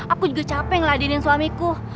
aku juga capek ngeladinin suamiku